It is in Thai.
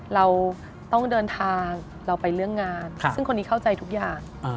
เราต้องเดินทางเราไปเรื่องงานซึ่งคนนี้เข้าใจทุกอย่าง